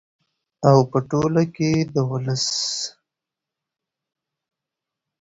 او په ټوله کې د ولس